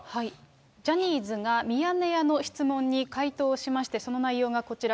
ジャニーズがミヤネ屋の質問に回答しまして、その内容がこちら。